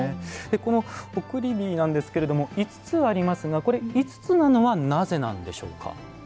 この送り火ですけど５つありますけど５つなのは、なぜなんでしょうか。